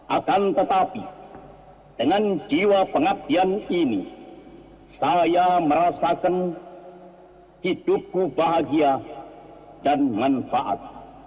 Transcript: akan tetapi dengan jiwa pengabdian ini saya merasakan hidupku bahagia dan manfaat